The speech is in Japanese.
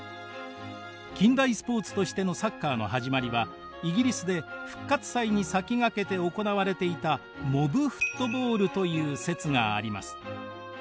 近代スポーツとしてのサッカーの始まりはイギリスで復活祭に先駆けて行われていたモブフットボールという説があります。